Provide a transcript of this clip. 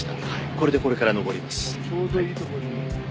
これでこれから登ります。